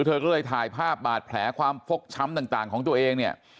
เธอก็เลยถ่ายภาพบาดแผลความฟกช้ำต่างของตัวเองเนี่ย